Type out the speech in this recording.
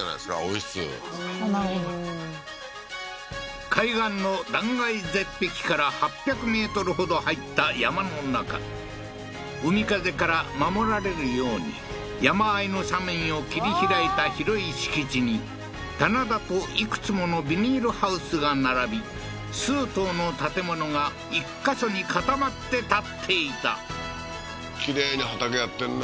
温室なるほど海岸の断崖絶壁から８００ｍほど入った山の中海風から守られるように山あいの斜面を切り開いた広い敷地に棚田といくつものビニールハウスが並び数棟の建物が１か所に固まって建っていたきれいに畑やってるね